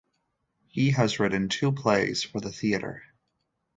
He has written two plays for the theatre.